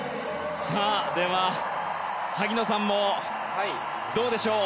では、萩野さんもどうでしょう。